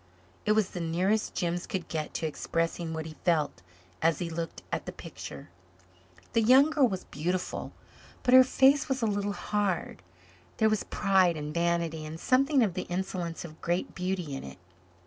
It was the nearest Jims could get to expressing what he felt as he looked at the picture. The young girl was beautiful, but her face was a little hard. There was pride and vanity and something of the insolence of great beauty in it.